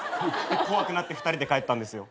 怖くなって２人で帰ったんですよ。